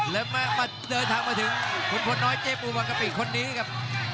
แล้วเดินทางมาถึงผลพลน้อยเจ้บปูปะกะปริบคนนี้ครับ